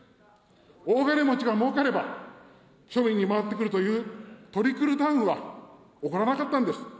大金持ちがもうかれば庶民に回ってくるというトリクルダウンは、起こらなかったんです。